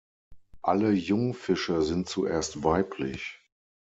Alle Jungfische sind zuerst weiblich.